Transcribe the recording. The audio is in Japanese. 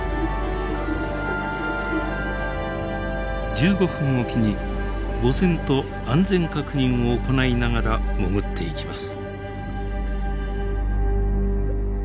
１５分置きに母船と安全確認を行いながら潜っていきます。